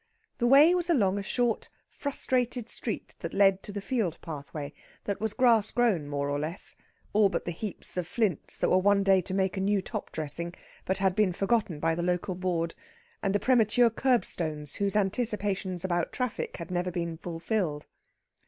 The way was along a short, frustrated street that led to the field pathway that was grass grown, more or less, all but the heaps of flints that were one day to make a new top dressing, but had been forgotten by the local board, and the premature curb stones whose anticipations about traffic had never been fulfilled.